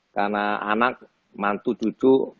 karena anak mantu cucu